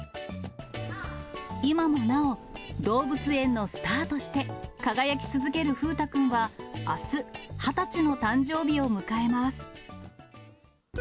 今もなお、動物園のスターとして輝き続ける風太くんはあす、２０歳の誕生日を迎えます。